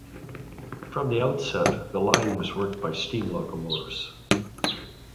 From the outset, the line was worked by steam locomotives.